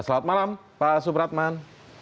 selamat malam pak supratman